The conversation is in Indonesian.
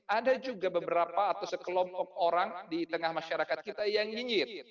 ada juga beberapa atau sekelompok orang di tengah masyarakat kita yang nyinyir